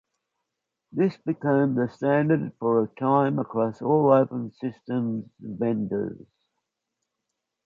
This became the standard for a time across all open systems vendors.